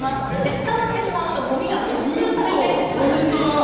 捕まってしまうとごみが没収されてしまうんです。